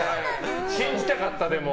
信じたかった、でも。